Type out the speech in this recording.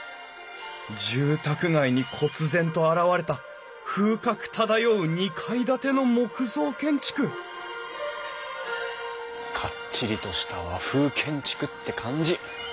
住宅街にこつ然と現れた風格漂う２階建ての木造建築かっちりとした和風建築って感じ。